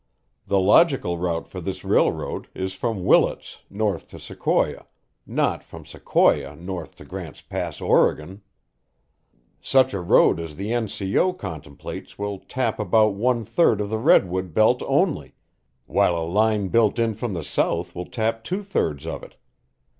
The logical route for this railroad is from Willits north to Sequoia, not from Sequoia north to Grant's Pass, Oregon. Such a road as the N.C.O. contemplates will tap about one third of the redwood belt only, while a line built in from the south will tap two thirds of it.